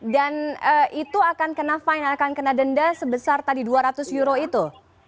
dan itu akan kena fine akan kena denda sebesar tadi dua ratus euro itu